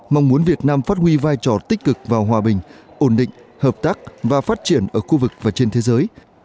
mong muốn việt nam phát huy vai trò tích cực và hòa bình ổn định hợp tác và phát triển ở khu vực và trên thế giới